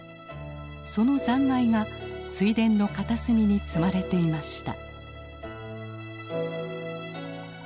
その残骸が水田の片隅に積まれていました。